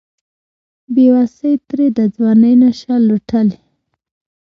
بیوسۍ ترې د ځوانۍ نشه لوټلې